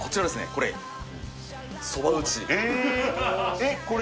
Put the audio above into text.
これそば打ちえ！